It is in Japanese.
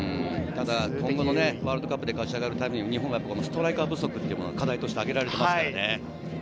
今後のワールドカップで勝ち上がるために日本はストライカー不足というのが課題として挙げられますから。